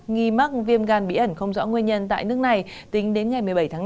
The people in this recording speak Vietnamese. nghi mắc viêm gan bí ẩn không rõ nguyên nhân tại nước này tính đến ngày một mươi bảy tháng năm